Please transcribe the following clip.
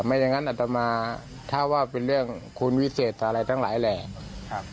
อย่างนั้นอัตมาถ้าว่าเป็นเรื่องคุณวิเศษอะไรทั้งหลายแหล่ครับ